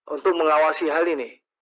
untuk mengawasi hal ini